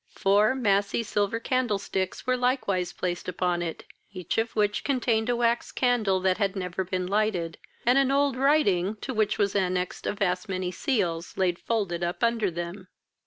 Four massy silver candlesticks were likewise placed upon it, each of which contained a wax candle, that had never been lighted, and an old writing, to which was annexed a vast many seals, laid folded up under them.